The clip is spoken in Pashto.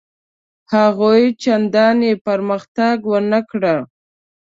هغوی چنداني پرمختګ ونه کړ.